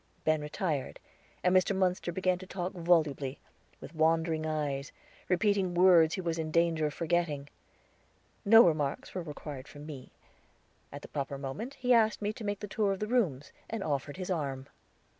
Ben retired, and Mr. Munster began to talk volubly, with wandering eyes, repeating words he was in danger of forgetting. No remarks were required from me. At the proper moment he asked me to make the tour of the rooms, and offered his arm.